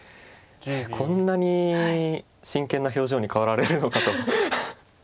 こんなに真剣な表情に変わられるのかと。